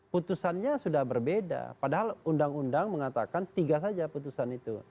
putusannya sudah berbeda padahal undang undang mengatakan tiga saja putusan itu